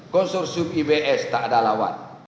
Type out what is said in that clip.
konsorsium ibs tak ada lawan